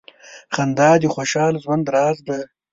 • خندا د خوشال ژوند راز دی.